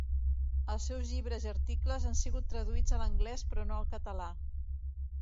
Els seus llibres i articles han sigut traduïts a l'anglès però no al català.